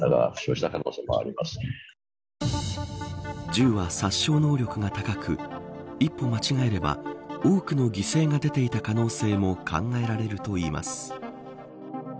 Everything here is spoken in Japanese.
銃は殺傷能力が高く一歩間違えれば多くの犠牲が出ていた可能性も考えられるといいます。